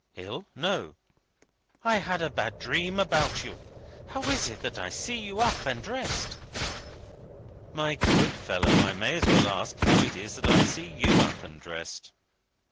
"Ill? No." "I have had a bad dream about you. How is it that I see you up and dressed?" "My good fellow, I may as well ask you how it is that I see you up and undressed?"